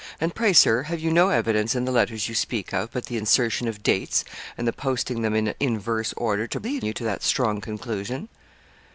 And pray, Sir, have you no evidence in the letters you speak of but the insertion of dates, and the posting them in inverse order, to lead you to that strong conclusion?'